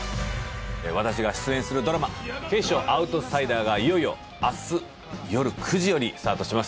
私が出演するドラマ『警視庁アウトサイダー』がいよいよ明日よる９時よりスタートします。